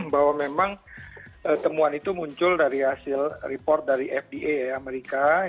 bahwa memang temuan itu muncul dari hasil report dari fda amerika